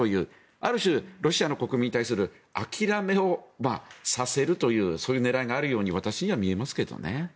ある種、ロシアの国民に対する諦めをさせるというそういう狙いがあるように私には見えますけどね。